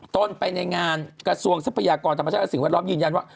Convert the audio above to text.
ต้นไปในงานกระทรวงทรัพยากรธรรมชาติและสิ่งแวดล้อมยืนยันว่า